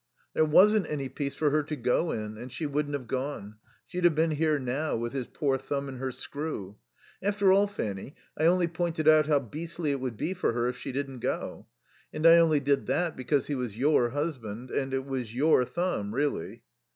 "There wasn't any peace for her to go in; and she wouldn't have gone. She'd have been here now, with his poor thumb in her screw. After all, Fanny, I only pointed out how beastly it would be for her if she didn't go. And I only did that because he was your husband, and it was your thumb, really."